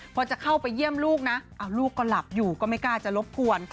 พอจะเข้าไปเยี่ยมลูกนะลูกก็หลับอยู่ก็ไม่กล้าจะรบกวน